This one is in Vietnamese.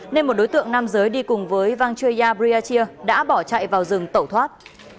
nên một đối tượng nam giới đi cùng với vang chơi briachia đã bỏ chạy vào rừng tẩu thoát